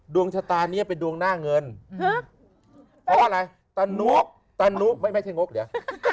ดวงชะตานี้เป็นดวงหน้าเงินเพราะอะไรตานุตะนุไม่ใช่งกเดี๋ยว